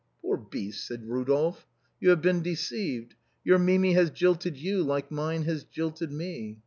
" Poor beast," said Eodolphe, " you have been deceived. Your Mimi has jilted you like mine has jilted me.